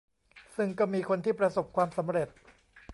ซึ่งก็มีคนที่ประสบความสำเร็จ